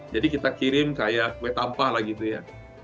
jadi kita kirim kayak kue tampah lah gitu ya